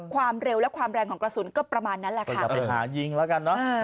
ความเร็วและความแรงของกระสุนก็ประมาณนั้นแหละค่ะ